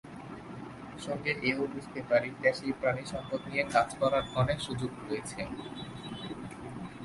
সঙ্গে এ-ও বুঝতে পারি, দেশেই প্রাণিসম্পদ নিয়ে কাজ করার অনেক সুযোগ রয়েছে।